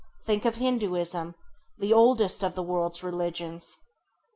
Think of Hindûism, the oldest of the world's religions.